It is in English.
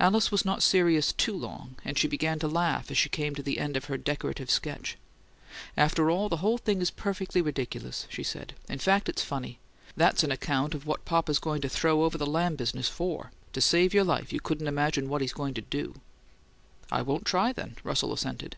Alice was not serious too long, and she began to laugh as she came to the end of her decorative sketch. "After all, the whole thing is perfectly ridiculous," she said. "In fact, it's FUNNY! That's on account of what papa's going to throw over the Lamb business FOR! To save your life you couldn't imagine what he's going to do!" "I won't try, then," Russell assented.